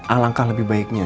alangkah lebih baiknya